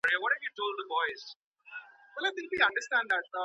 د غوښي کیفیت څنګه کتل کیږي؟